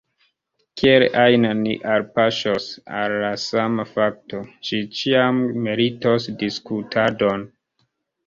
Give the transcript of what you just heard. Kiel ajn ni alpaŝos al la sama fakto, ĝi ĉiam meritos diskutadon.